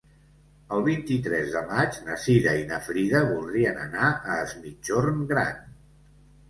El vint-i-tres de maig na Cira i na Frida voldrien anar a Es Migjorn Gran.